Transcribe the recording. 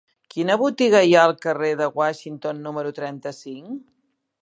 Quina botiga hi ha al carrer de Washington número trenta-cinc?